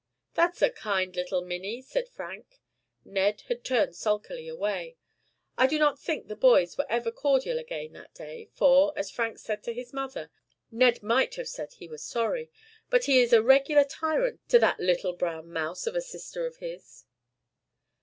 "That's a kind little Minnie," said Frank. Ned had turned sulkily away. I do not think the boys were ever cordial again that day; for, as Frank said to his mother, "Ned might have said he was sorry; but he is a regular tyrant to that little brown mouse of a sister of his."